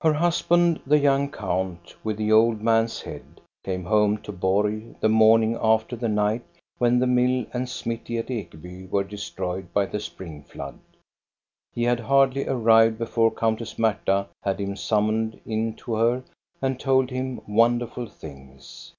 Her husband, the young count with the old man's head, came home to Borg the morning after the night when the mill and smithy at Ekeby were de PENITENCE 369 stroyed by the spring flood. He had hardly arrived before Countess Marta had him summoned in to her and told him wonderful things.